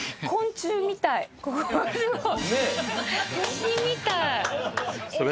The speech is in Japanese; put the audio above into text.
虫みたい！